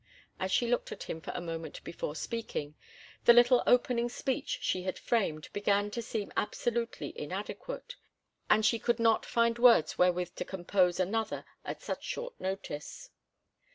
As she looked at him for a moment before speaking, the little opening speech she had framed began to seem absolutely inadequate, and she could not find words wherewith to compose another at such short notice.